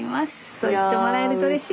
そう言ってもらえるとうれしい。